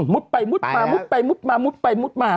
ไปมุดมามุดไปมุดมามุดไปมุดมา